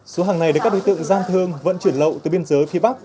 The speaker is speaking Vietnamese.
số hàng này được các đối tượng gian thương vận chuyển lậu từ biên giới phía bắc